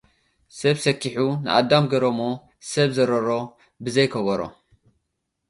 ሰብ ሰኪሑ ናኣዳም ገሩሞ ሰበ ዘሮሮ በዘይ ኮቦሮ